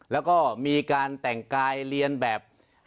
แล้วก็มีการแต่งกายเรียนแบบ